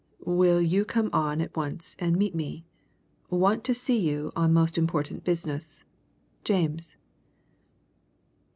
Will you come on at once and meet me? Want to see you on most important business "JAMES."